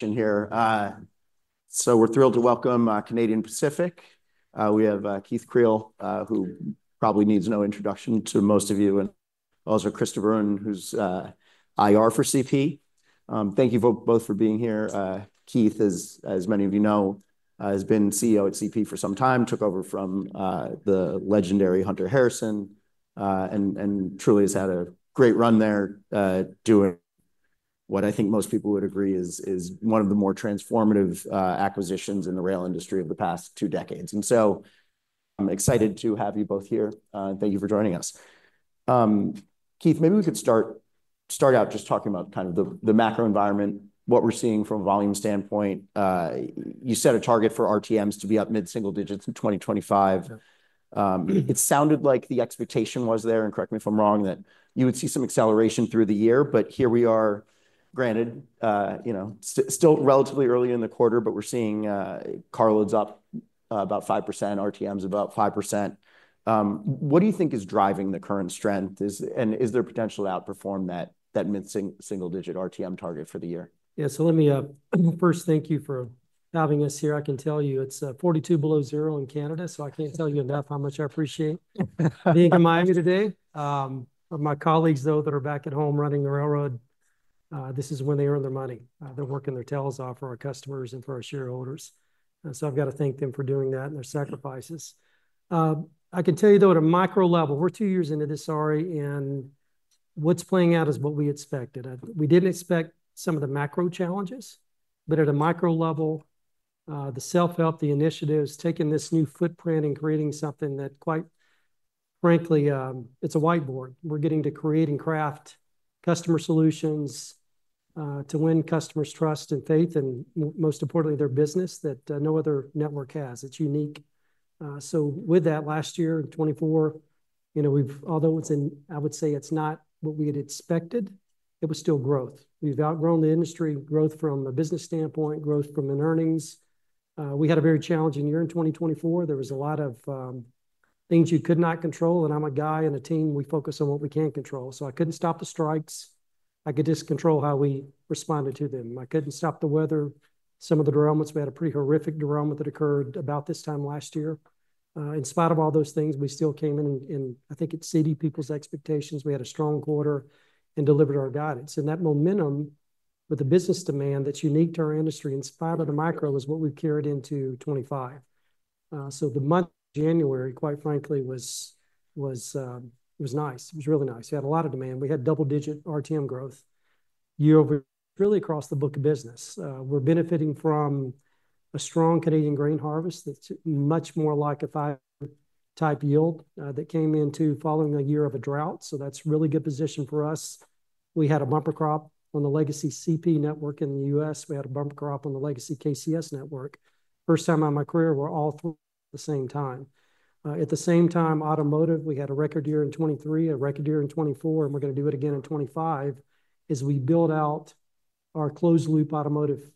Here. So we're thrilled to welcome Canadian Pacific. We have Keith Creel, who probably needs no introduction to most of you, and also Chris de Bruyn, who's IR for CP. Thank you both for being here. Keith, as many of you know, has been CEO at CP for some time, took over from the legendary Hunter Harrison, and truly has had a great run there doing what I think most people would agree is one of the more transformative acquisitions in the rail industry of the past two decades. And so I'm excited to have you both here, and thank you for joining us. Keith, maybe we could start out just talking about kind of the macro environment, what we're seeing from a volume standpoint. You set a target for RTMs to be up mid-single digits in 2025. It sounded like the expectation was there, and correct me if I'm wrong, that you would see some acceleration through the year, but here we are, granted, you know, still relatively early in the quarter, but we're seeing carloads up about 5%, RTMs about 5%. What do you think is driving the current strength, and is there potential to outperform that mid-single digit RTM target for the year? Yeah, so let me first thank you for having us here. I can tell you it's 42 degrees below zero in Canada, so I can't tell you enough how much I appreciate being in Miami today. My colleagues, though, that are back at home running the railroad, this is when they earn their money. They're working their tails off for our customers and for our shareholders, and so I've got to thank them for doing that and their sacrifices. I can tell you, though, at a macro level, we're two years into this, sorry, and what's playing out is what we expected. We didn't expect some of the macro challenges, but at a micro level, the self-help, the initiatives, taking this new footprint and creating something that, quite frankly, it's a whiteboard. We're getting to create and craft customer solutions to win customers' trust and faith, and most importantly, their business that no other network has. It's unique. So with that, last year, 2024, you know, although it's in, I would say it's not what we had expected, it was still growth. We've outgrown the industry, growth from a business standpoint, growth from an earnings. We had a very challenging year in 2024. There was a lot of things you could not control, and I'm a guy and a team, we focus on what we can control. So I couldn't stop the strikes. I could just control how we responded to them. I couldn't stop the weather, some of the derailments. We had a pretty horrific derailment that occurred about this time last year. In spite of all those things, we still came in, and I think it exceeded people's expectations. We had a strong quarter and delivered our guidance and that momentum with the business demand that's unique to our industry in spite of the macro is what we've carried into 2025 so the month of January, quite frankly, was nice. It was really nice. We had a lot of demand. We had double-digit RTM growth year-over-year really across the book of business. We're benefiting from a strong Canadian grain harvest. It's much more like a five-type yield that came in following a year of a drought so that's a really good position for us. We had a bumper crop on the legacy CP network in the U.S. We had a bumper crop on the legacy KCS network. First time in my career, we're all at the same time. At the same time, automotive, we had a record year in 2023, a record year in 2024, and we're going to do it again in 2025 as we build out our closed-loop automotive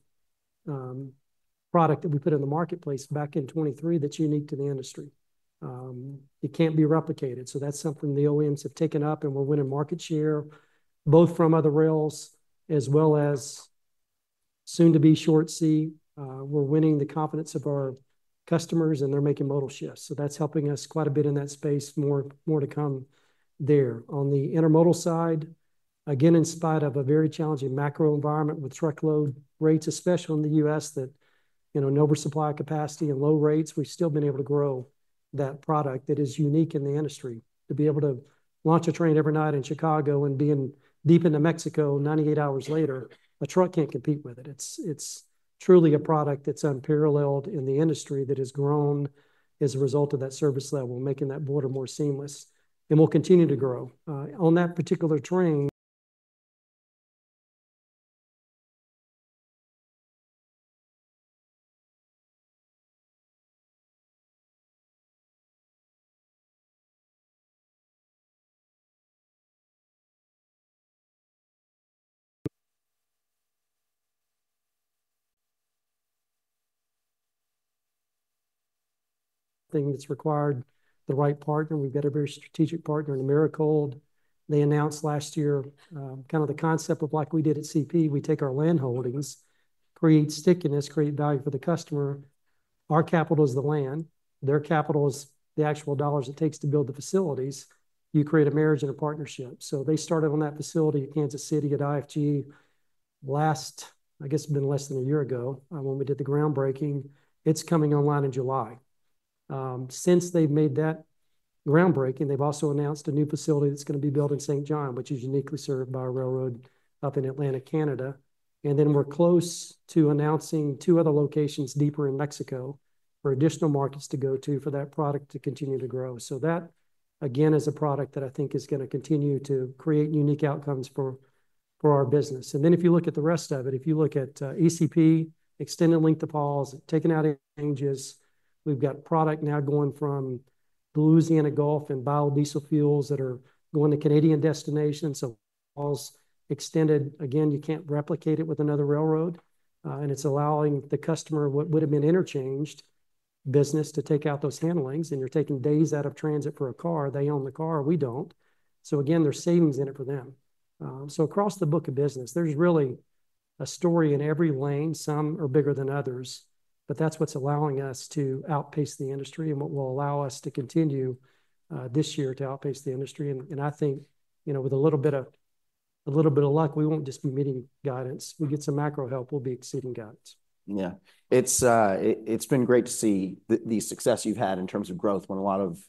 product that we put in the marketplace back in 2023 that's unique to the industry. It can't be replicated. So that's something the OEMs have taken up, and we're winning market share both from other rails as well as soon-to-be short sea. We're winning the confidence of our customers, and they're making modal shifts. So that's helping us quite a bit in that space, more to come there. On the intermodal side, again, in spite of a very challenging macro environment with truckload rates, especially in the U.S., that, you know, no supply capacity and low rates, we've still been able to grow that product that is unique in the industry. To be able to launch a train every night in Chicago and be deep into Mexico 98 hours later, a truck can't compete with it. It's truly a product that's unparalleled in the industry that has grown as a result of that service level, making that border more seamless, and will continue to grow. On that particular train. The thing that's required, the right partner. We've got a very strategic partner, the Americold. They announced last year kind of the concept of like we did at CP. We take our land holdings, create stickiness, create value for the customer. Our capital is the land. Their capital is the actual dollars it takes to build the facilities. You create a marriage and a partnership. So they started on that facility at Kansas City, at IFG, last, I guess, been less than a year ago when we did the groundbreaking. It's coming online in July. Since they've made that groundbreaking, they've also announced a new facility that's going to be built in Saint John, which is uniquely served by a railroad up in Atlantic Canada. And then we're close to announcing two other locations deeper in Mexico for additional markets to go to for that product to continue to grow. So that, again, is a product that I think is going to continue to create unique outcomes for our business. And then if you look at the rest of it, if you look at ECP, extended length of hauls, taken out of changes, we've got product now going from the Louisiana Gulf and biodiesel fuels that are going to Canadian destinations. So hauls extended, again, you can't replicate it with another railroad. And it's allowing the customer, what would have been interchanged business, to take out those handlings. You're taking days out of transit for a car. They own the car. We don't. So again, there's savings in it for them. So across the book of business, there's really a story in every lane. Some are bigger than others, but that's what's allowing us to outpace the industry and what will allow us to continue this year to outpace the industry. And I think, you know, with a little bit of a little bit of luck, we won't just be meeting guidance. We get some macro help. We'll be exceeding guidance. Yeah. It's been great to see the success you've had in terms of growth when a lot of,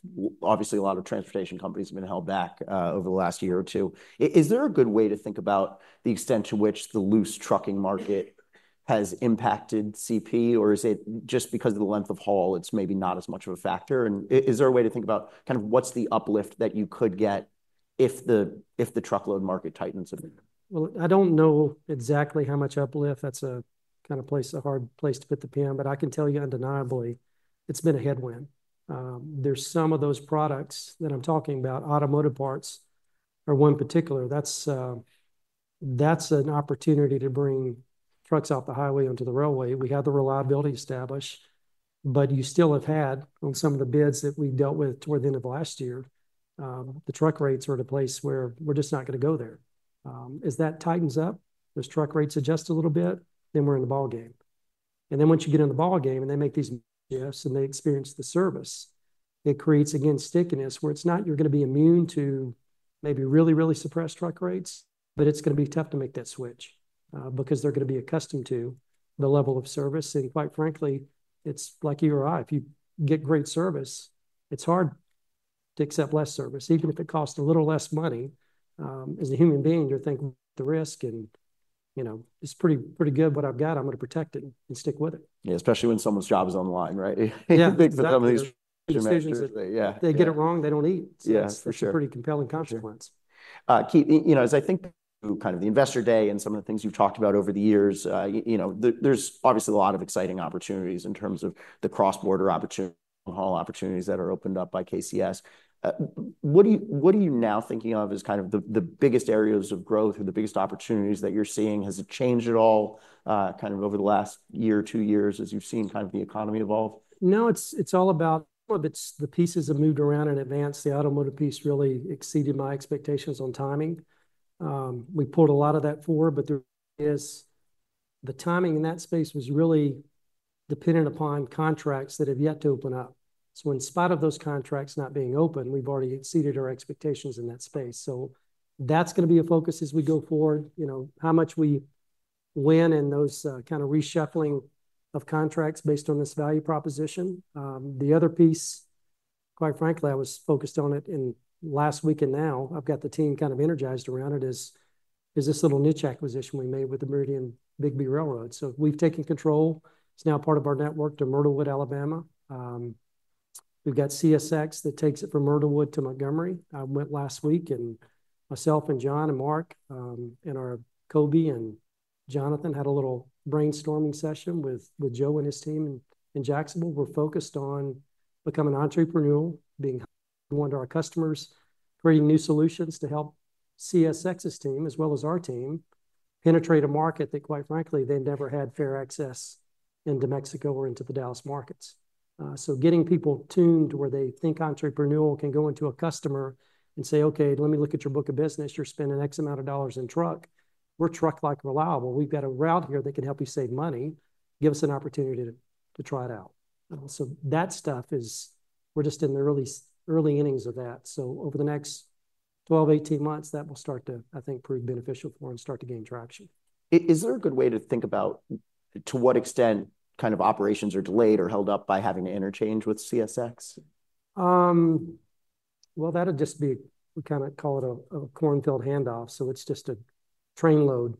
obviously, a lot of transportation companies have been held back over the last year or two. Is there a good way to think about the extent to which the loose trucking market has impacted CP, or is it just because of the length of haul, it's maybe not as much of a factor? And is there a way to think about kind of what's the uplift that you could get if the truckload market tightens a bit? I don't know exactly how much uplift. That's a kind of place, a hard place to put the pin, but I can tell you undeniably it's been a headwind. There's some of those products that I'm talking about. Automotive parts are one particular. That's an opportunity to bring trucks off the highway onto the railway. We have the reliability established, but you still have had on some of the bids that we dealt with toward the end of last year. The truck rates are at a place where we're just not going to go there. As that tightens up, those truck rates adjust a little bit, then we're in the ball game. And then once you get in the ball game and they make these shifts and they experience the service, it creates, again, stickiness where it's not you're going to be immune to maybe really, really suppressed truck rates, but it's going to be tough to make that switch because they're going to be accustomed to the level of service. And quite frankly, it's like you or I, if you get great service, it's hard to accept less service. Even if it costs a little less money, as a human being, you're thinking about the risk and, you know, it's pretty good what I've got. I'm going to protect it and stick with it. Yeah, especially when someone's job is online, right? Yeah. They get it wrong, they don't eat. Yeah, for sure. It's a pretty compelling consequence. Keith, you know, as I think kind of the investor day and some of the things you've talked about over the years, you know, there's obviously a lot of exciting opportunities in terms of the cross-border haul opportunities that are opened up by KCS. What are you now thinking of as kind of the biggest areas of growth or the biggest opportunities that you're seeing? Has it changed at all kind of over the last year, two years as you've seen kind of the economy evolve? No, it's all about the pieces have moved around in advance. The automotive piece really exceeded my expectations on timing. We pulled a lot of that forward, but there is the timing in that space was really dependent upon contracts that have yet to open up. So in spite of those contracts not being open, we've already exceeded our expectations in that space. So that's going to be a focus as we go forward, you know, how much we win in those kind of reshuffling of contracts based on this value proposition. The other piece, quite frankly, I was focused on it in last week and now I've got the team kind of energized around it is this little niche acquisition we made with the Meridian & Bigbee Railroad. So we've taken control. It's now part of our network to Myrtlewood, Alabama. We've got CSX that takes it from Myrtlewood to Montgomery. I went last week and myself and John and Mark and our Coby and Jonathan had a little brainstorming session with Joe and his team in Jacksonville. We're focused on becoming entrepreneurial, being one of our customers, creating new solutions to help CSX's team as well as our team penetrate a market that, quite frankly, they never had fair access in Mexico or into the Dallas markets. So getting people tuned to where they think entrepreneurial can go into a customer and say, "Okay, let me look at your book of business. You're spending X amount of dollars in truck. We're truck-like reliable. We've got a route here that can help you save money. Give us an opportunity to try it out." So that stuff is, we're just in the early innings of that. So over the next 12-18 months, that will start to, I think, prove beneficial for and start to gain traction. Is there a good way to think about to what extent kind of operations are delayed or held up by having to interchange with CSX? That would just be, we kind of call it a cornfield handoff. So it's just a train load.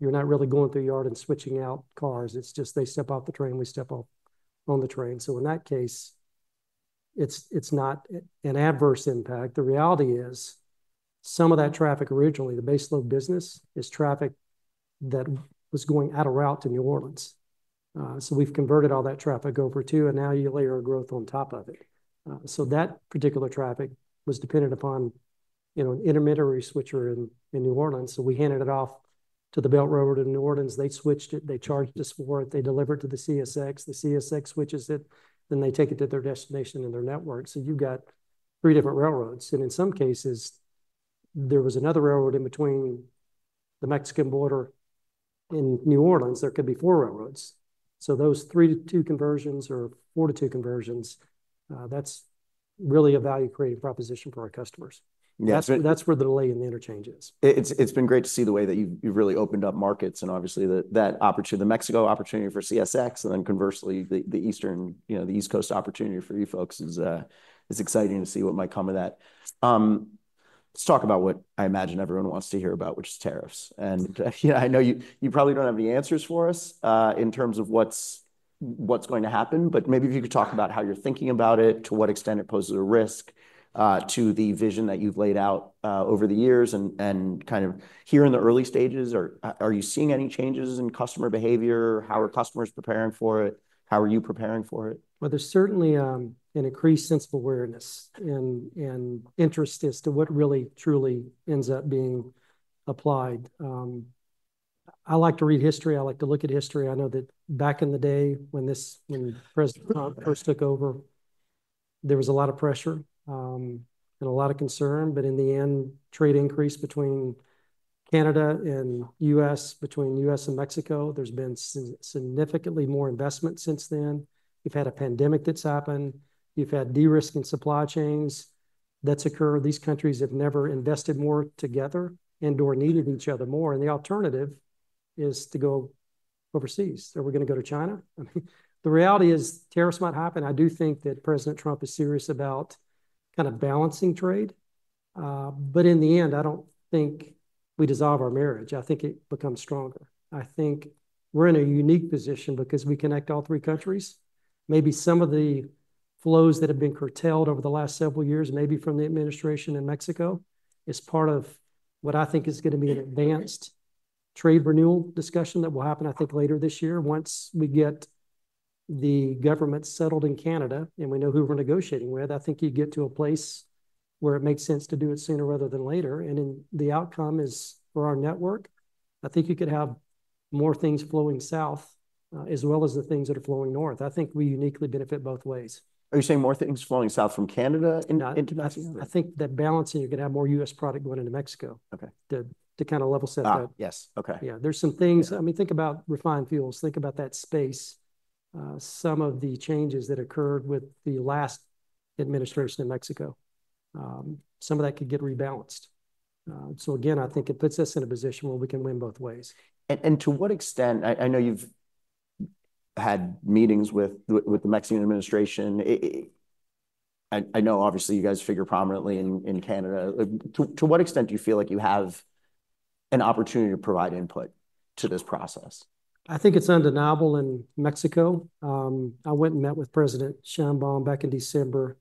You're not really going through yard and switching out cars. It's just they step off the train, we step off on the train. So in that case, it's not an adverse impact. The reality is some of that traffic originally, the base load business is traffic that was going out of route to New Orleans. So we've converted all that traffic over to, and now you layer a growth on top of it. So that particular traffic was dependent upon, you know, an intermediary switcher in New Orleans. So we handed it off to the Belt Railroad in New Orleans. They switched it. They charged us for it. They delivered to the CSX. The CSX switches it. Then they take it to their destination and their network. So you've got three different railroads. And in some cases, there was another railroad in between the Mexican border in New Orleans. There could be four railroads. So those three to two conversions or four to two conversions, that's really a value-creating proposition for our customers. Yeah. That's where the delay in the interchange is. It's been great to see the way that you've really opened up markets and obviously that opportunity, the Mexico opportunity for CSX, and then conversely, the eastern, you know, the East Coast opportunity for you folks is exciting to see what might come of that. Let's talk about what I imagine everyone wants to hear about, which is tariffs. And I know you probably don't have the answers for us in terms of what's going to happen, but maybe if you could talk about how you're thinking about it, to what extent it poses a risk to the vision that you've laid out over the years and kind of here in the early stages, or are you seeing any changes in customer behavior? How are customers preparing for it? How are you preparing for it? There's certainly an increased sense of awareness and interest as to what really, truly ends up being applied. I like to read history. I like to look at history. I know that back in the day when President Trump first took over, there was a lot of pressure and a lot of concern, but in the end, trade increased between Canada and U.S., between U.S. and Mexico. There's been significantly more investment since then. You've had a pandemic that's happened. You've had de-risking supply chains that's occurred. These countries have never invested more together and/or needed each other more. And the alternative is to go overseas. Are we going to go to China? The reality is tariffs might happen. I do think that President Trump is serious about kind of balancing trade. But in the end, I don't think we dissolve our marriage. I think it becomes stronger. I think we're in a unique position because we connect all three countries. Maybe some of the flows that have been curtailed over the last several years, maybe from the administration in Mexico, is part of what I think is going to be an advanced trade renewal discussion that will happen, I think, later this year. Once we get the government settled in Canada and we know who we're negotiating with, I think you get to a place where it makes sense to do it sooner rather than later, and then the outcome is for our network, I think you could have more things flowing south as well as the things that are flowing north. I think we uniquely benefit both ways. Are you saying more things flowing south from Canada into Mexico? I think that balancing, you're going to have more U.S. product going into Mexico to kind of level set that. Yes. Okay. Yeah. There's some things, I mean, think about refined fuels. Think about that space. Some of the changes that occurred with the last administration in Mexico, some of that could get rebalanced. So again, I think it puts us in a position where we can win both ways. And to what extent? I know you've had meetings with the Mexican administration. I know obviously you guys figure prominently in Canada. To what extent do you feel like you have an opportunity to provide input to this process? I think it's undeniable in Mexico. I went and met with President Sheinbaum back in December,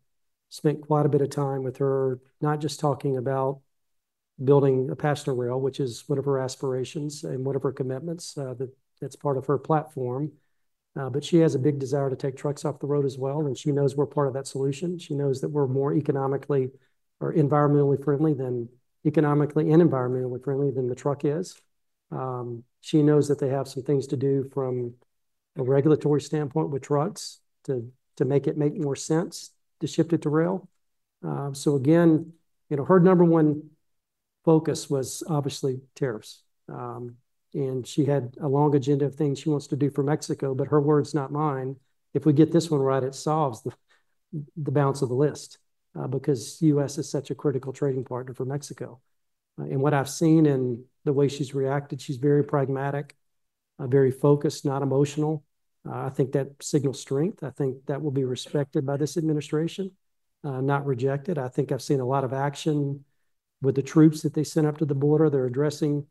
spent quite a bit of time with her, not just talking about building a passenger rail, which is one of her aspirations and one of her commitments that's part of her platform. But she has a big desire to take trucks off the road as well. And she knows we're part of that solution. She knows that we're more economically and environmentally friendly than the truck is. She knows that they have some things to do from a regulatory standpoint with trucks to make it make more sense to shift it to rail. So again, you know, her number one focus was obviously tariffs. She had a long agenda of things she wants to do for Mexico, but her words, not mine, if we get this one right, it solves the balance of the list because the U.S. is such a critical trading partner for Mexico. What I've seen in the way she's reacted, she's very pragmatic, very focused, not emotional. I think that signals strength. I think that will be respected by this administration, not rejected. I think I've seen a lot of action with the troops that they sent up to the border. They're addressing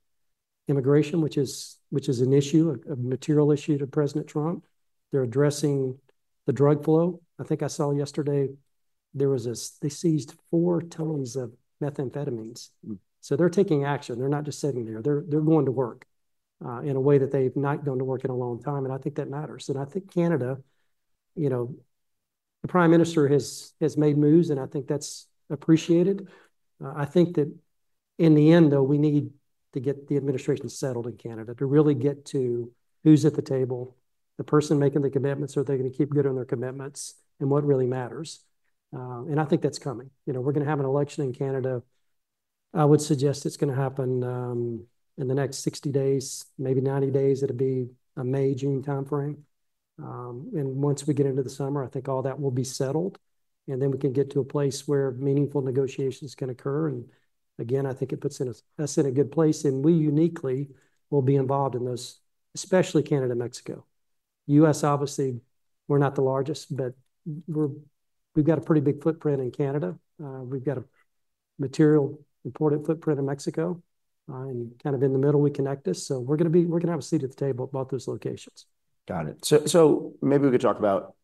immigration, which is an issue, a material issue to President Trump. They're addressing the drug flow. I think I saw yesterday there was, they seized four tons of methamphetamines. So they're taking action. They're not just sitting there. They're going to work in a way that they've not gone to work in a long time. And I think that matters. And I think Canada, you know, the Prime Minister has made moves and I think that's appreciated. I think that in the end, though, we need to get the administration settled in Canada to really get to who's at the table, the person making the commitments or they're going to keep good on their commitments and what really matters. And I think that's coming. You know, we're going to have an election in Canada. I would suggest it's going to happen in the next 60 days, maybe 90 days. It'll be a May, June timeframe. And once we get into the summer, I think all that will be settled. And then we can get to a place where meaningful negotiations can occur. Again, I think it puts us in a good place and we uniquely will be involved in those, especially Canada-Mexico. U.S., obviously, we're not the largest, but we've got a pretty big footprint in Canada. We've got a material important footprint in Mexico and kind of in the middle we connect us. We're going to have a seat at the table at both those locations. Got it. So maybe we could talk about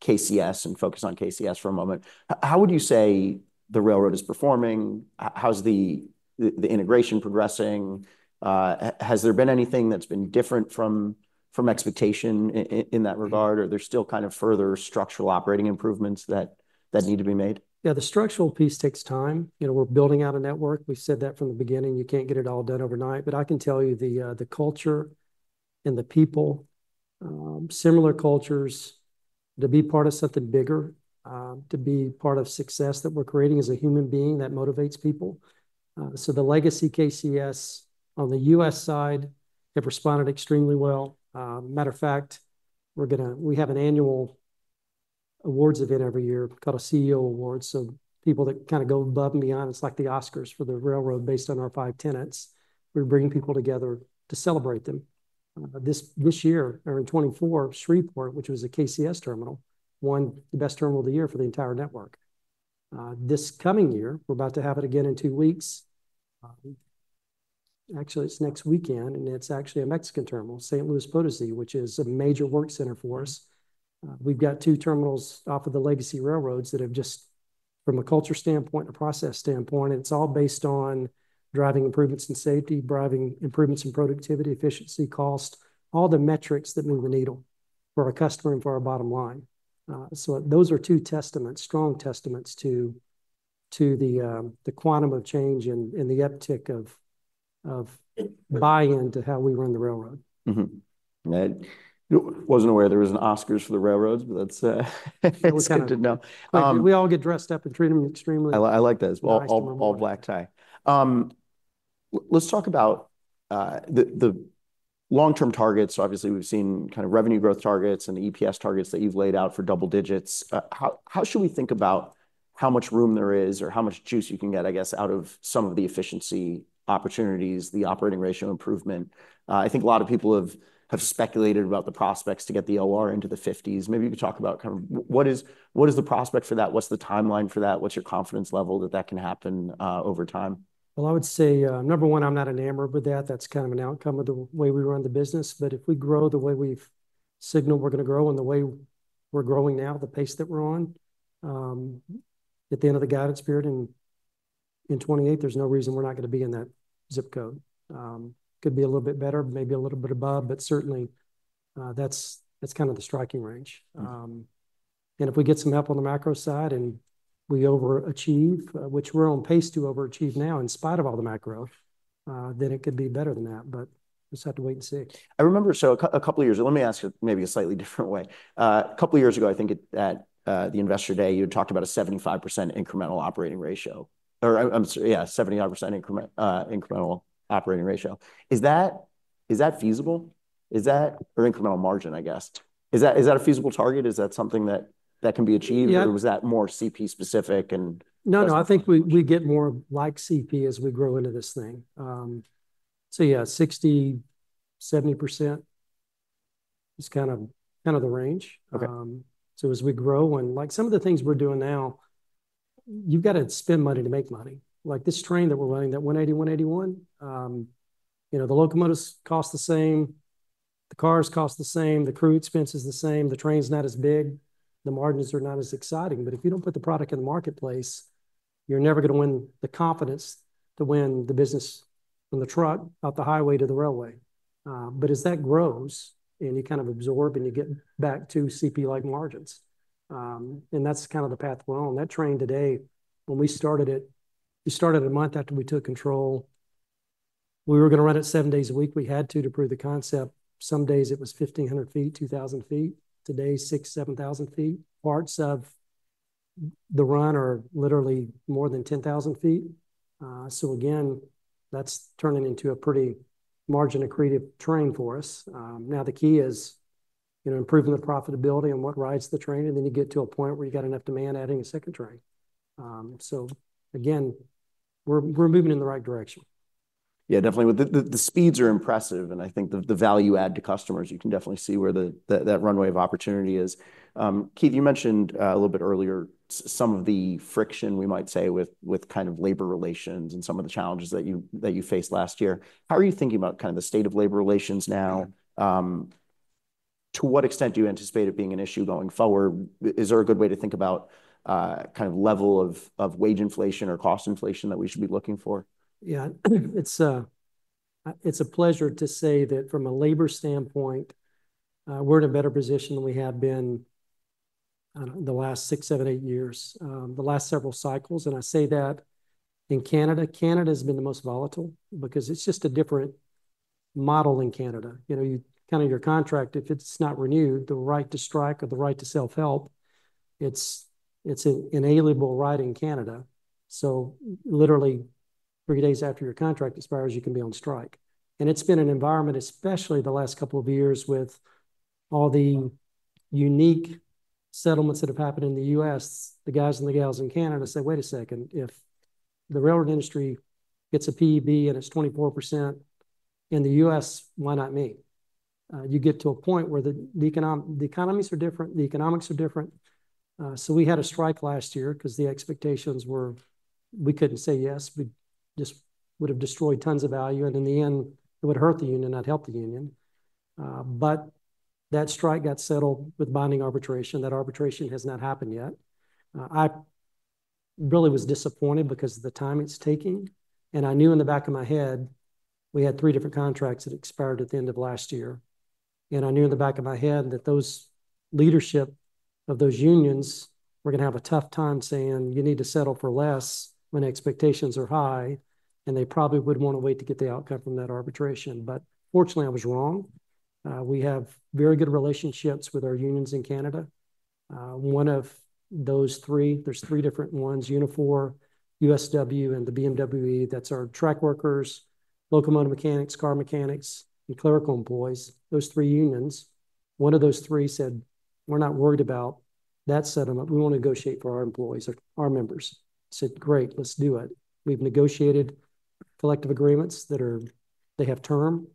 KCS and focus on KCS for a moment. How would you say the railroad is performing? How's the integration progressing? Has there been anything that's been different from expectation in that regard or there's still kind of further structural operating improvements that need to be made? Yeah, the structural piece takes time. You know, we're building out a network. We said that from the beginning. You can't get it all done overnight. But I can tell you the culture and the people, similar cultures to be part of something bigger, to be part of success that we're creating as a human being that motivates people. So the legacy KCS on the U.S. side have responded extremely well. Matter of fact, we have an annual awards event every year called a CEO Award. So people that kind of go above and beyond, it's like the Oscars for the railroad based on our five tenets. We're bringing people together to celebrate them. This year, or in 2024, Shreveport, which was a KCS terminal, won the best terminal of the year for the entire network. This coming year, we're about to have it again in two weeks. Actually, it's next weekend, and it's actually a Mexican terminal, San Luis Potosí, which is a major work center for us. We've got two terminals off of the legacy railroads that have just, from a culture standpoint, a process standpoint, it's all based on driving improvements in safety, driving improvements in productivity, efficiency, cost, all the metrics that move the needle for our customer and for our bottom line. So those are two testaments, strong testaments to the quantum of change and the uptick of buy-in to how we run the railroad. I wasn't aware there was an Oscars for the railroads, but that's good to know. We all get dressed up and treat them extremely. I like that as well. All black tie. Let's talk about the long-term targets. Obviously, we've seen kind of revenue growth targets and the EPS targets that you've laid out for double digits. How should we think about how much room there is or how much juice you can get, I guess, out of some of the efficiency opportunities, the operating ratio improvement? I think a lot of people have speculated about the prospects to get the OR into the 50s. Maybe you could talk about kind of what is the prospect for that? What's the timeline for that? What's your confidence level that that can happen over time? Well, I would say number one, I'm not enamored with that. That's kind of an outcome of the way we run the business. But if we grow the way we've signaled we're going to grow and the way we're growing now, the pace that we're on, at the end of the guidance period in 2028, there's no reason we're not going to be in that zip code. Could be a little bit better, maybe a little bit above, but certainly that's kind of the striking range. And if we get some help on the macro side and we overachieve, which we're on pace to overachieve now in spite of all the macro, then it could be better than that, but we just have to wait and see. I remember, so a couple of years ago, let me ask it maybe a slightly different way. A couple of years ago, I think at the Investor Day, you had talked about a 75% incremental operating ratio or I'm sorry, yeah, 75% incremental operating ratio. Is that feasible? Is that or incremental margin, I guess? Is that a feasible target? Is that something that can be achieved or was that more CP specific and? No, no, I think we get more like CP as we grow into this thing. So 60%-70% is kind of the range. So as we grow and like some of the things we're doing now, you've got to spend money to make money. Like this train that we're running, that 180, 181, you know, the locomotives cost the same, the cars cost the same, the crew expense is the same, the train's not as big, the margins are not as exciting. But if you don't put the product in the marketplace, you're never going to win the confidence to win the business from the truck out the highway to the railway. But as that grows and you kind of absorb and you get back to CP-like margins, and that's kind of the path we're on. That train today, when we started it, we started a month after we took control. We were going to run it seven days a week. We had to to prove the concept. Some days it was 1,500 feet, 2,000 feet. Today, 6,000 to 7,000 feet. Parts of the run are literally more than 10,000 feet. So again, that's turning into a pretty margin accretive train for us. Now the key is, you know, improving the profitability and what rides the train, and then you get to a point where you've got enough demand adding a second train. So again, we're moving in the right direction. Yeah, definitely. The speeds are impressive and I think the value add to customers, you can definitely see where that runway of opportunity is. Keith, you mentioned a little bit earlier some of the friction we might say with kind of labor relations and some of the challenges that you faced last year. How are you thinking about kind of the state of labor relations now? To what extent do you anticipate it being an issue going forward? Is there a good way to think about kind of level of wage inflation or cost inflation that we should be looking for? Yeah, it's a pleasure to say that from a labor standpoint, we're in a better position than we have been the last six, seven, eight years, the last several cycles, and I say that in Canada. Canada has been the most volatile because it's just a different model in Canada. You know, kind of your contract, if it's not renewed, the right to strike or the right to self-help, it's an inalienable right in Canada. So literally three days after your contract expires, you can be on strike, and it's been an environment, especially the last couple of years with all the unique settlements that have happened in the U.S., the guys and the gals in Canada say, wait a second, if the railroad industry gets a PEB and it's 24% in the U.S., why not me? You get to a point where the economies are different, the economics are different. So we had a strike last year because the expectations were, we couldn't say yes, we just would have destroyed tons of value. And in the end, it would hurt the union, not help the union. But that strike got settled with binding arbitration. That arbitration has not happened yet. I really was disappointed because of the time it's taking. And I knew in the back of my head, we had three different contracts that expired at the end of last year. And I knew in the back of my head that those leadership of those unions were going to have a tough time saying, you need to settle for less when expectations are high. And they probably would want to wait to get the outcome from that arbitration. But fortunately, I was wrong. We have very good relationships with our unions in Canada. One of those three, there's three different ones, Unifor, USW, and the BMWE. That's our track workers, locomotive mechanics, car mechanics, and clerical employees, those three unions. One of those three said, we're not worried about that settlement. We want to negotiate for our employees, our members. Said, great, let's do it. We've negotiated collective agreements that have term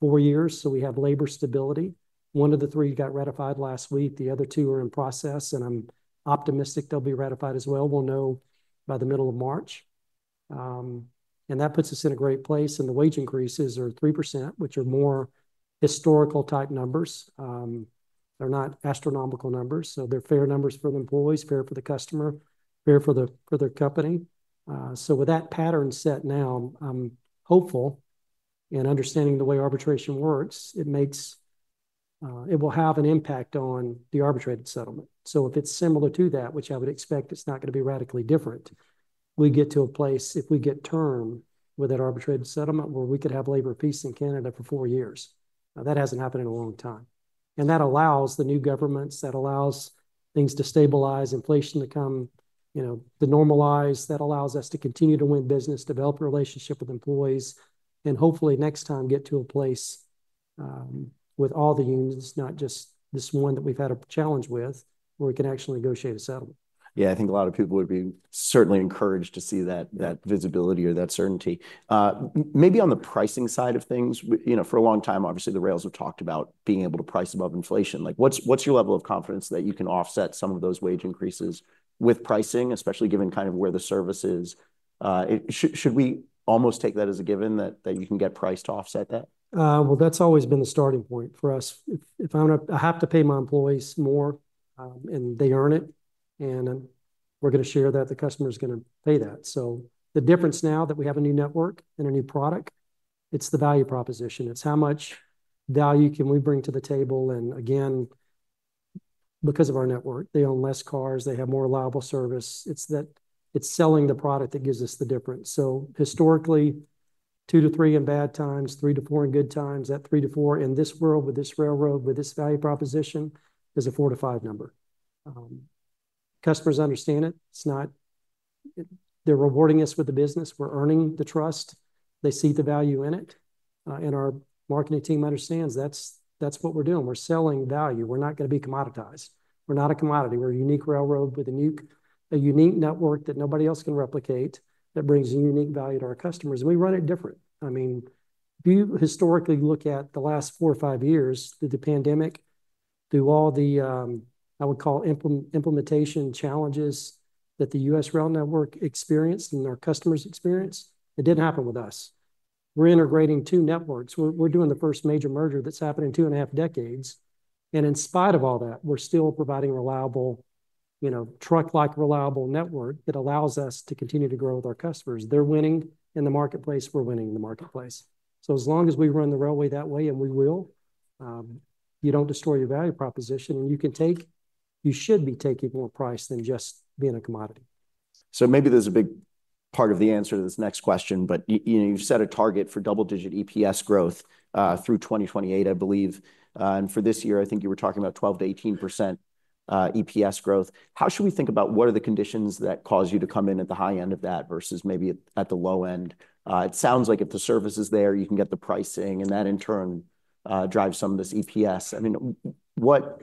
four years. So we have labor stability. One of the three got ratified last week. The other two are in process and I'm optimistic they'll be ratified as well. We'll know by the middle of March. And that puts us in a great place. And the wage increases are 3%, which are more historical type numbers. They're not astronomical numbers. So they're fair numbers for the employees, fair for the customer, fair for their company. So, with that pattern set now, I'm hopeful. Understanding the way arbitration works, it will have an impact on the arbitrated settlement. So, if it's similar to that, which I would expect it's not going to be radically different, we get to a place if we get term with that arbitrated settlement where we could have labor peace in Canada for four years. That hasn't happened in a long time. And that allows the new governments, that allows things to stabilize, inflation to come, you know, to normalize. That allows us to continue to win business, develop a relationship with employees, and hopefully next time get to a place with all the unions, not just this one that we've had a challenge with, where we can actually negotiate a settlement. Yeah, I think a lot of people would be certainly encouraged to see that visibility or that certainty. Maybe on the pricing side of things, you know, for a long time, obviously the rails have talked about being able to price above inflation. Like what's your level of confidence that you can offset some of those wage increases with pricing, especially given kind of where the service is? Should we almost take that as a given that you can get price to offset that? That's always been the starting point for us. If I have to pay my employees more and they earn it, and we're going to share that, the customer is going to pay that. So the difference now that we have a new network and a new product, it's the value proposition. It's how much value can we bring to the table. And again, because of our network, they own less cars, they have more reliable service. It's selling the product that gives us the difference. So historically, two to three in bad times, three to four in good times, that three to four in this world with this railroad, with this value proposition is a four to five number. Customers understand it. They're rewarding us with the business. We're earning the trust. They see the value in it. And our marketing team understands that's what we're doing. We're selling value. We're not going to be commoditized. We're not a commodity. We're a unique railroad with a unique network that nobody else can replicate that brings a unique value to our customers. And we run it different. I mean, if you historically look at the last four or five years, did the pandemic do all the, I would call implementation challenges that the U.S. rail network experienced and our customers experienced? It didn't happen with us. We're integrating two networks. We're doing the first major merger that's happened in two and a half decades. And in spite of all that, we're still providing reliable, you know, truck-like reliable network that allows us to continue to grow with our customers. They're winning in the marketplace. We're winning in the marketplace. So as long as we run the railway that way, and we will, you don't destroy your value proposition. You can take. You should be taking more price than just being a commodity. So maybe there's a big part of the answer to this next question, but you've set a target for double-digit EPS growth through 2028, I believe. And for this year, I think you were talking 12%-18% eps growth. How should we think about what are the conditions that cause you to come in at the high end of that versus maybe at the low end? It sounds like if the service is there, you can get the pricing and that in turn drives some of this EPS. I mean, what,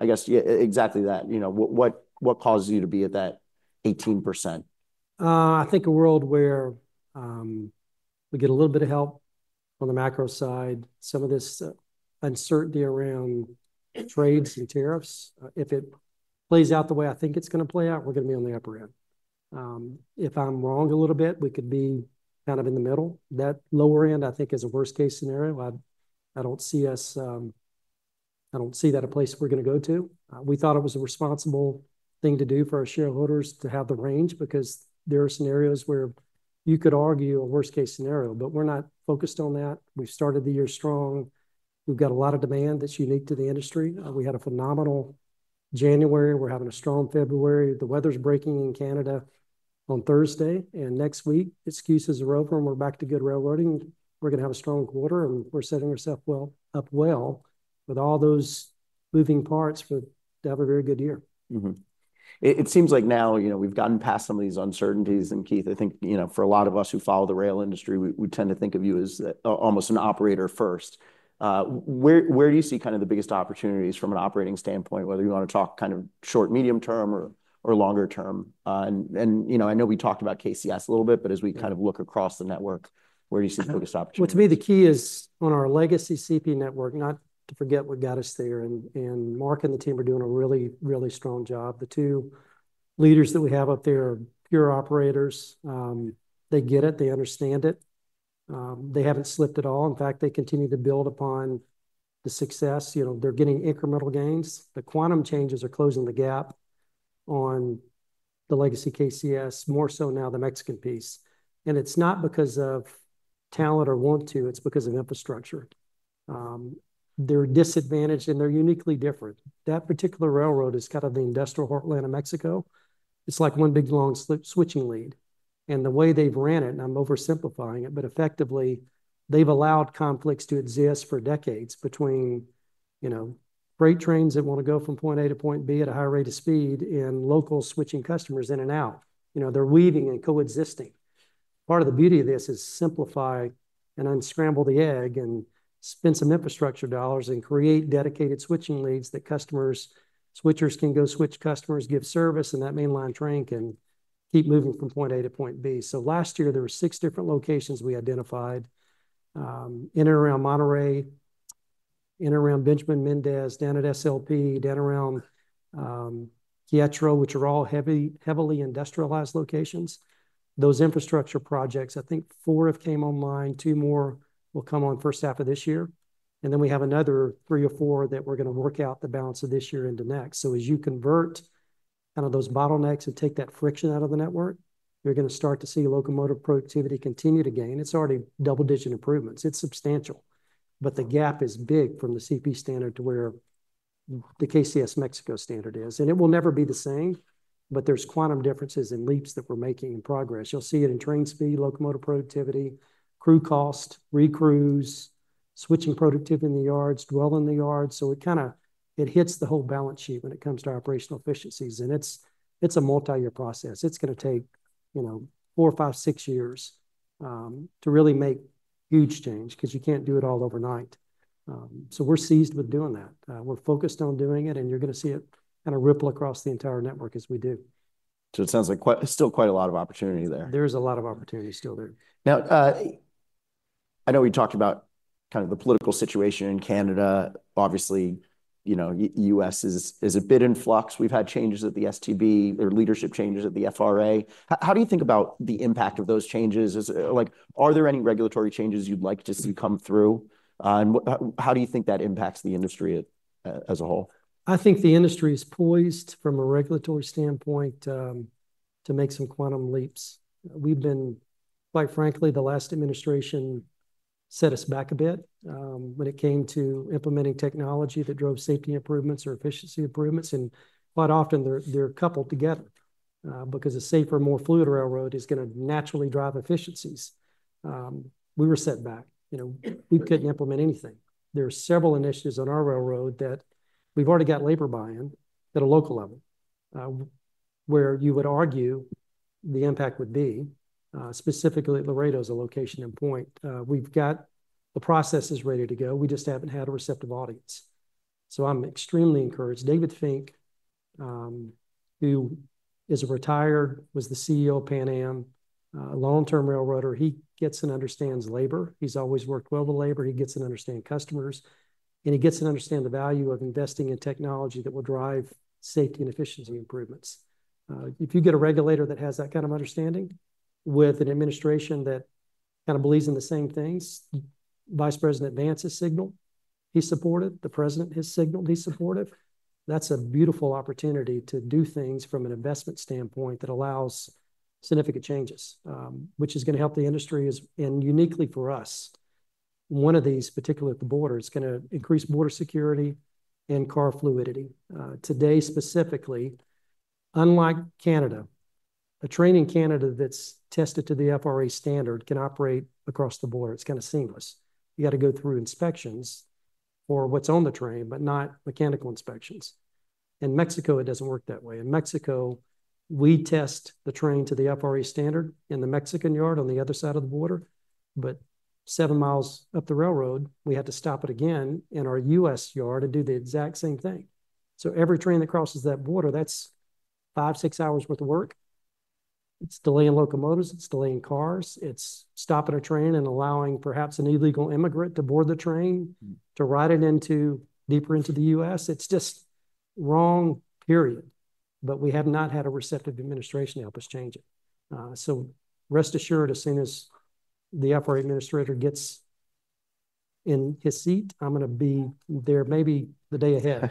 I guess exactly that, you know, what causes you to be at that 18%? I think a world where we get a little bit of help on the macro side, some of this uncertainty around trades and tariffs, if it plays out the way I think it's going to play out, we're going to be on the upper end. If I'm wrong a little bit, we could be kind of in the middle. That lower end, I think is a worst-case scenario. I don't see us, I don't see that a place we're going to go to. We thought it was a responsible thing to do for our shareholders to have the range because there are scenarios where you could argue a worst-case scenario, but we're not focused on that. We've started the year strong. We've got a lot of demand that's unique to the industry. We had a phenomenal January. We're having a strong February. The weather's breaking in Canada on Thursday. And next week, excuses are over and we're back to good railroading. We're going to have a strong quarter and we're setting ourselves up well with all those moving parts for to have a very good year. It seems like now, you know, we've gotten past some of these uncertainties. And Keith, I think, you know, for a lot of us who follow the rail industry, we tend to think of you as almost an operator first. Where do you see kind of the biggest opportunities from an operating standpoint, whether you want to talk kind of short, medium term, or longer term? And you know, I know we talked about KCS a little bit, but as we kind of look across the network, where do you see the biggest opportunity? Well, to me, the key is on our legacy CP network, not to forget what got us there. And Mark and the team are doing a really, really strong job. The two leaders that we have up there are pure operators. They get it. They understand it. They haven't slipped at all. In fact, they continue to build upon the success. You know, they're getting incremental gains. The quantum changes are closing the gap on the legacy KCS, more so now the Mexican piece. And it's not because of talent or want to, it's because of infrastructure. They're disadvantaged and they're uniquely different. That particular railroad is kind of the industrial heartland of Mexico. It's like one big long switching lead. And the way they've ran it, and I'm oversimplifying it, but effectively they've allowed conflicts to exist for decades between, you know, freight trains that want to go from point A to point B at a high rate of speed and local switching customers in and out. You know, they're weaving and coexisting. Part of the beauty of this is simplify and unscramble the egg and spend some infrastructure dollars and create dedicated switching leads that customers, switchers can go switch customers, give service, and that mainline train can keep moving from point A to point B. So last year, there were six different locations we identified in and around Monterrey, in and around Benjamín Méndez, down at SLP, down around Piedras, which are all heavily industrialized locations. Those infrastructure projects, I think four have come online. Two more will come on first half of this year. And then we have another three or four that we're going to work out the balance of this year into next. So as you convert kind of those bottlenecks and take that friction out of the network, you're going to start to see locomotive productivity continue to gain. It's already double-digit improvements. It's substantial. But the gap is big from the CP standard to where the KCS Mexico standard is. And it will never be the same, but there's quantum differences and leaps that we're making in progress. You'll see it in train speed, locomotive productivity, crew cost, recrews, switching productivity in the yards, dwell in the yards. So it kind of hits the whole balance sheet when it comes to operational efficiencies. And it's a multi-year process. It's going to take, you know, four, five, six years to really make huge change because you can't do it all overnight. So we're seized with doing that. We're focused on doing it and you're going to see it kind of ripple across the entire network as we do. So it sounds like still quite a lot of opportunity there. There is a lot of opportunity still there. Now, I know we talked about kind of the political situation in Canada. Obviously, you know, the U.S. is a bit in flux. We've had changes at the STB, there are leadership changes at the FRA. How do you think about the impact of those changes? Like, are there any regulatory changes you'd like to see come through? And how do you think that impacts the industry as a whole? I think the industry is poised from a regulatory standpoint to make some quantum leaps. We've been, quite frankly, set back a bit by the last administration when it came to implementing technology that drove safety improvements or efficiency improvements, and quite often they're coupled together because a safer, more fluid railroad is going to naturally drive efficiencies. We were set back. You know, we couldn't implement anything. There are several initiatives on our railroad that we've already got labor buy-in at a local level where you would argue the impact would be. Specifically, Laredo is a case in point. We've got the processes ready to go. We just haven't had a receptive audience, so I'm extremely encouraged. David Fink, who is retired, was the CEO of Pan Am, long-term railroader. He gets and understands labor. He's always worked well with labor. He gets and understands customers. He gets and understands the value of investing in technology that will drive safety and efficiency improvements. If you get a regulator that has that kind of understanding with an administration that kind of believes in the same things, Vice President Vance has signaled he's supportive. The president has signaled he's supportive. That's a beautiful opportunity to do things from an investment standpoint that allows significant changes, which is going to help the industry and uniquely for us. One of these, particularly at the border, is going to increase border security and car fluidity. Today, specifically, unlike Canada, a train in Canada that's tested to the FRA standard can operate across the border. It's kind of seamless. You got to go through inspections for what's on the train, but not mechanical inspections. In Mexico, it doesn't work that way. In Mexico, we test the train to the FRA standard in the Mexican yard on the other side of the border. But seven miles up the railroad, we had to stop it again in our U.S. yard and do the exact same thing. So every train that crosses that border, that's five, six hours' worth of work. It's delaying locomotives. It's delaying cars. It's stopping a train and allowing perhaps an illegal immigrant to board the train to ride it deeper into the U.S. It's just wrong, period. But we have not had a receptive administration to help us change it. So rest assured, as soon as the FRA administrator gets in his seat, I'm going to be there maybe the day ahead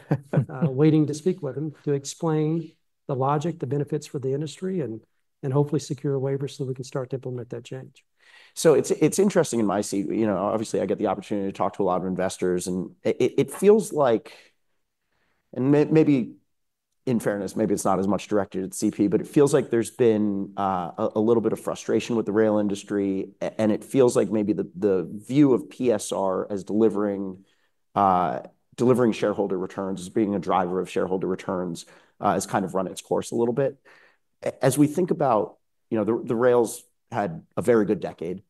waiting to speak with him to explain the logic, the benefits for the industry, and hopefully secure waivers so we can start to implement that change. So it's interesting in my seat. You know, obviously I get the opportunity to talk to a lot of investors, and it feels like, and maybe in fairness, maybe it's not as much directed at CP, but it feels like there's been a little bit of frustration with the rail industry. And it feels like maybe the view of PSR as delivering shareholder returns as being a driver of shareholder returns has kind of run its course a little bit. As we think about, you know, the rails had a very good decade.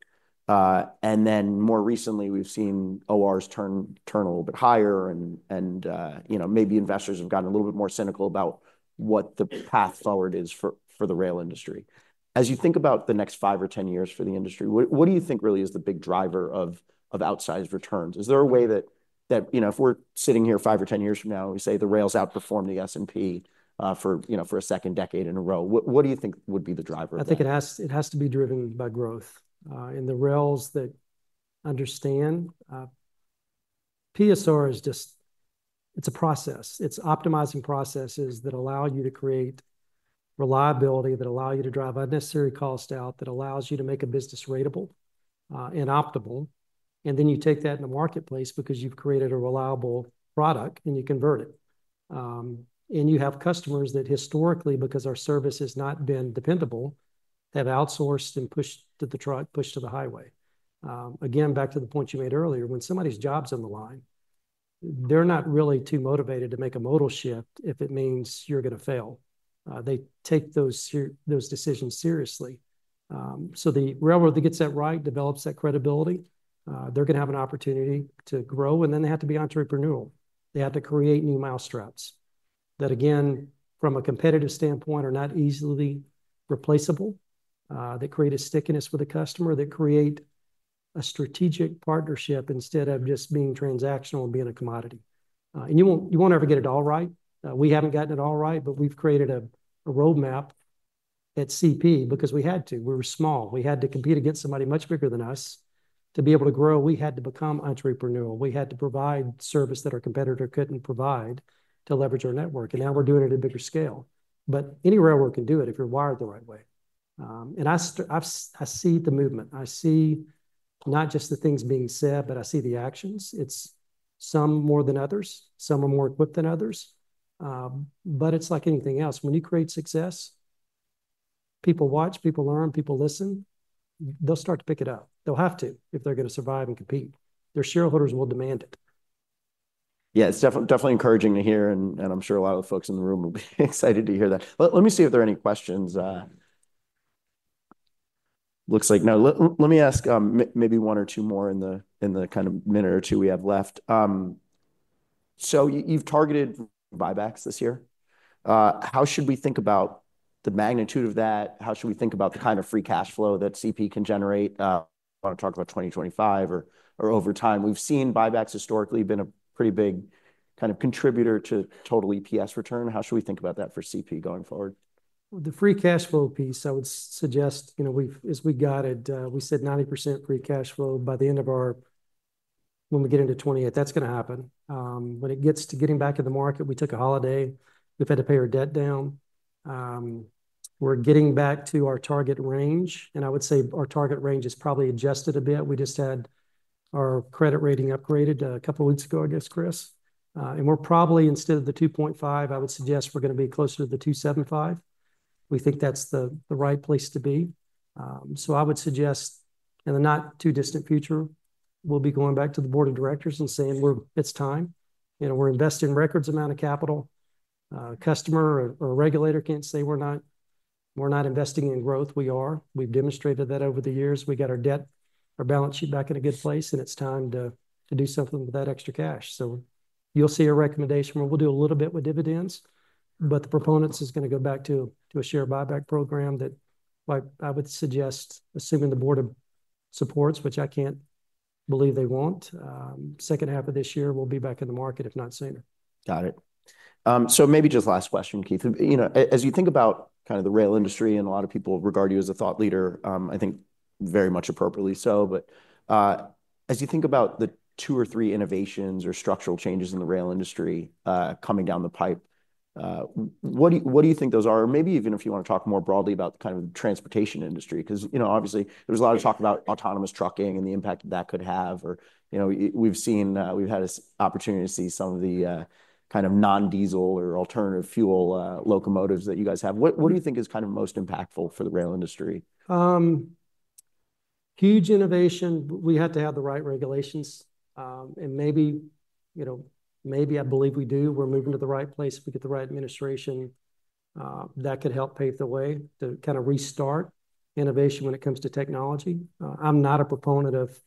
And then more recently, we've seen ORs turn a little bit higher. And, you know, maybe investors have gotten a little bit more cynical about what the path forward is for the rail industry. As you think about the next five or ten years for the industry, what do you think really is the big driver of outsized returns? Is there a way that, you know, if we're sitting here five or ten years from now, we say the rails outperformed the S&P for, you know, for a second decade in a row, what do you think would be the driver? I think it has to be driven by growth, and the rails that understand, PSR is just, it's a process. It's optimizing processes that allow you to create reliability, that allow you to drive unnecessary cost out, that allows you to make a business ratable and optimal, and then you take that in the marketplace because you've created a reliable product and you convert it, and you have customers that historically, because our service has not been dependable, have outsourced and pushed to the truck, pushed to the highway. Again, back to the point you made earlier, when somebody's job's on the line, they're not really too motivated to make a modal shift if it means you're going to fail. They take those decisions seriously. So the railroad that gets that right develops that credibility. They're going to have an opportunity to grow, and then they have to be entrepreneurial. They have to create new mousetraps that, again, from a competitive standpoint are not easily replaceable, that create a stickiness with the customer, that create a strategic partnership instead of just being transactional and being a commodity. And you won't ever get it all right. We haven't gotten it all right, but we've created a roadmap at CP because we had to. We were small. We had to compete against somebody much bigger than us to be able to grow. We had to become entrepreneurial. We had to provide service that our competitor couldn't provide to leverage our network. And now we're doing it at a bigger scale. But any railroad can do it if you're wired the right way. And I see the movement. I see not just the things being said, but I see the actions. It's some more than others. Some are more equipped than others. But it's like anything else. When you create success, people watch, people learn, people listen. They'll start to pick it up. They'll have to if they're going to survive and compete. Their shareholders will demand it. Yeah, it's definitely encouraging to hear. And I'm sure a lot of the folks in the room will be excited to hear that. Let me see if there are any questions. Looks like no. Let me ask maybe one or two more in the kind of minute or two we have left. So you've targeted buybacks this year. How should we think about the magnitude of that? How should we think about the kind of free cash flow that CP can generate when we talk about 2025 or over time? We've seen buybacks historically have been a pretty big kind of contributor to total EPS return. How should we think about that for CP going forward? The free cash flow piece, I would suggest, you know, as we got it, we said 90% free cash flow by the end of our, when we get into 2028, that's going to happen. When it gets to getting back in the market, we took a holiday. We've had to pay our debt down. We're getting back to our target range. And I would say our target range is probably adjusted a bit. We just had our credit rating upgraded a couple of weeks ago, I guess, Chris. And we're probably, instead of the 2.5, I would suggest we're going to be closer to the 2.75. We think that's the right place to be. So I would suggest in the not too distant future, we'll be going back to the board of directors and saying, it's time. You know, we're investing record amounts of capital. Customers or regulators can't say we're not investing in growth. We are. We've demonstrated that over the years. We got our debt, our balance sheet back in a good place, and it's time to do something with that extra cash. So you'll see a recommendation. We'll do a little bit with dividends, but the proceeds is going to go back to a share buyback program that I would suggest, assuming the board supports, which I can't believe they won't. Second half of this year, we'll be back in the market, if not sooner. Got it. So maybe just last question, Keith. You know, as you think about kind of the rail industry and a lot of people regard you as a thought leader, I think very much appropriately so, but as you think about the two or three innovations or structural changes in the rail industry coming down the pipe, what do you think those are? Or maybe even if you want to talk more broadly about the kind of transportation industry, because, you know, obviously there's a lot of talk about autonomous trucking and the impact that that could have, or, you know, we've seen, we've had an opportunity to see some of the kind of non-diesel or alternative fuel locomotives that you guys have. What do you think is kind of most impactful for the rail industry? Huge innovation. We have to have the right regulations, and maybe, you know, maybe I believe we do. We're moving to the right place. If we get the right administration, that could help pave the way to kind of restart innovation when it comes to technology. I'm not a proponent of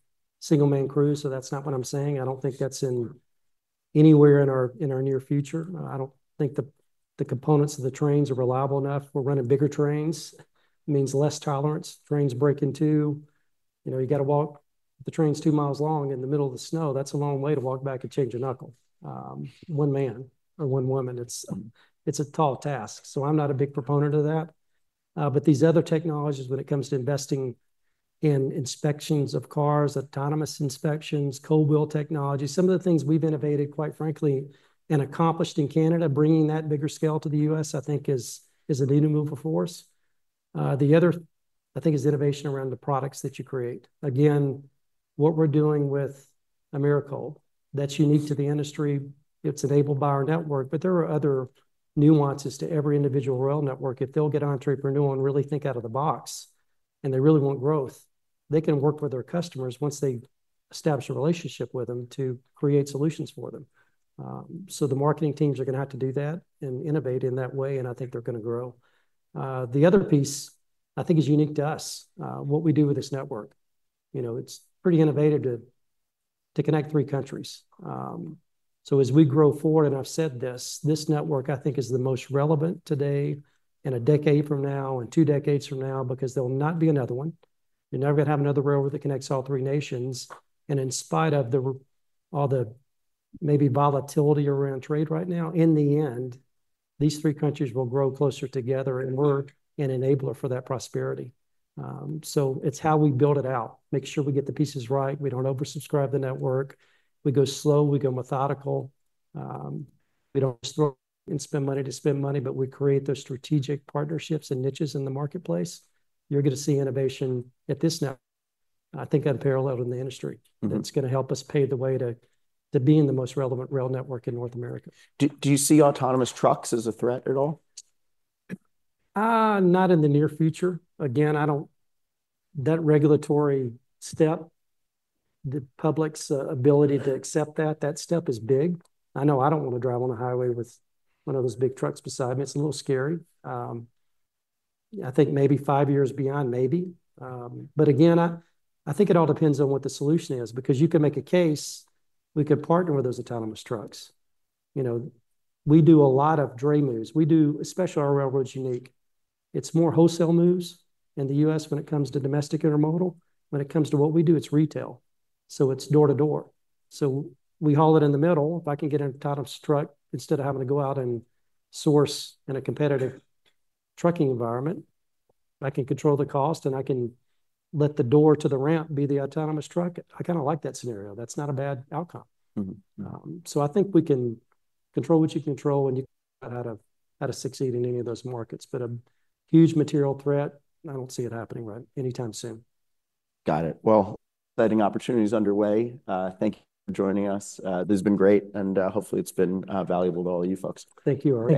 single-man crews, so that's not what I'm saying. I don't think that's in anywhere in our near future. I don't think the components of the trains are reliable enough. We're running bigger trains. It means less tolerance. Trains break in two. You know, you got to walk the trains two miles long in the middle of the snow. That's a long way to walk back and change a knuckle. One man or one woman. It's a tall task. So I'm not a big proponent of that. But these other technologies, when it comes to investing in inspections of cars, autonomous inspections, Cold Wheel technology, some of the things we've innovated, quite frankly, and accomplished in Canada, bringing that bigger scale to the U.S., I think is a new move of force. The other, I think, is innovation around the products that you create. Again, what we're doing with Americold, that's unique to the industry. It's enabled by our network, but there are other nuances to every individual rail network. If they'll get entrepreneurial and really think out of the box and they really want growth, they can work with their customers once they establish a relationship with them to create solutions for them. So the marketing teams are going to have to do that and innovate in that way. And I think they're going to grow. The other piece, I think, is unique to us, what we do with this network. You know, it's pretty innovative to connect three countries. So as we grow forward, and I've said this, this network, I think, is the most relevant today and a decade from now and two decades from now because there will not be another one. You're never going to have another railroad that connects all three nations. And in spite of all the maybe volatility around trade right now, in the end, these three countries will grow closer together and work and enable it for that prosperity. So it's how we build it out, make sure we get the pieces right. We don't oversubscribe the network. We go slow. We go methodical. We don't throw and spend money to spend money, but we create those strategic partnerships and niches in the marketplace. You're going to see innovation at this network, I think, unparalleled in the industry that's going to help us pave the way to being the most relevant rail network in North America. Do you see autonomous trucks as a threat at all? Not in the near future. Again, I don't think that regulatory step, the public's ability to accept that, that step is big. I know I don't want to drive on the highway with one of those big trucks beside me. It's a little scary. I think maybe five years beyond, maybe. But again, I think it all depends on what the solution is because you can make a case. We could partner with those autonomous trucks. You know, we do a lot of dray moves. We do, especially our railroads, unique. It's more wholesale moves in the U.S. when it comes to domestic intermodal. When it comes to what we do, it's retail. So it's door to door. So we haul it in the middle. If I can get an autonomous truck instead of having to go out and source in a competitive trucking environment, I can control the cost and I can let the door to the ramp be the autonomous truck. I kind of like that scenario. That's not a bad outcome. So I think we can control what you can control and you have to succeed in any of those markets. But a huge material threat, I don't see it happening right anytime soon. Got it. Well, exciting opportunities underway. Thank you for joining us. This has been great and hopefully it's been valuable to all you folks. Thank you.